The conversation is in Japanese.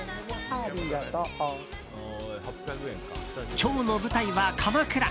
今日の舞台は鎌倉。